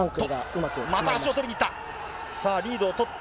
また足を取りにいった。